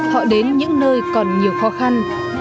họ đến những nơi còn nhiều khó khăn